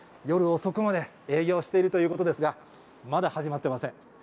夜遅くまで営業しているということですが、まだ始まってません。